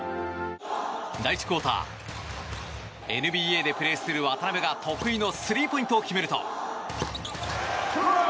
第１クオーターＮＢＡでプレーする渡邊が得意のスリーポイントを決めると。